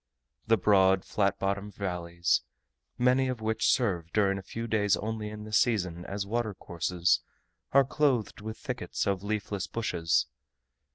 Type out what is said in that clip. The broad, flat bottomed valleys, many of which serve during a few days only in the season as water courses, are clothed with thickets of leafless bushes.